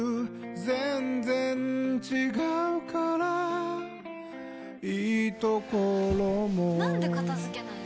全然違うからいいところもなんで片付けないの？